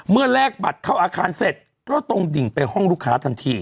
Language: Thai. แลกบัตรเข้าอาคารเสร็จก็ตรงดิ่งไปห้องลูกค้าทันที